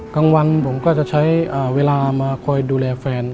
กลางวันผมก็จะใช้เวลามาคอยดูแลแฟน